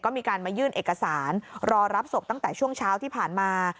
ก็มีการมายื่นเอกสารรอรับศพตั้งแต่ช่วงเช้าที่ผ่านมา